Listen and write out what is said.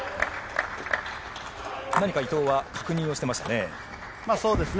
何か伊藤は確認をしていましたね。